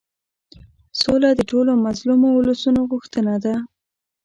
سوله د ټولو مظلومو اولسونو غوښتنه ده.